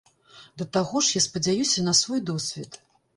Да таго ж я спадзяюся на свой досвед.